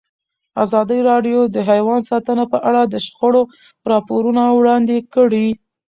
ازادي راډیو د حیوان ساتنه په اړه د شخړو راپورونه وړاندې کړي.